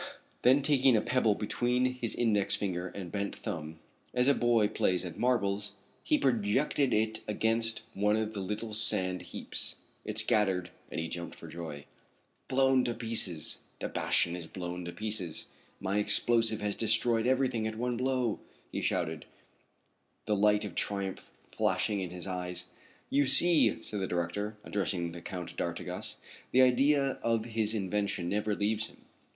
Then taking a pebble between his index finger and bent thumb, as a boy plays at marbles, he projected it against one of the little sand heaps. It scattered, and he jumped for joy. "Blown to pieces! The bastion is blown to pieces! My explosive has destroyed everything at one blow!" he shouted, the light of triumph flashing in his eyes. "You see," said the director, addressing the Count d'Artigas. "The idea of his invention never leaves him."